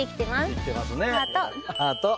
生きてますね。